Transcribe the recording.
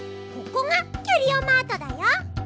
ここがキュリオマートだよ。